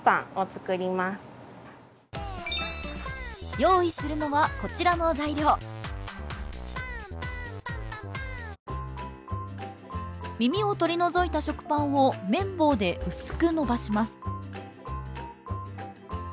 用意するのはこちらの材料耳を取り除いた食パンをめん棒で薄く伸ばします